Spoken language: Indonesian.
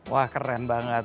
wah keren banget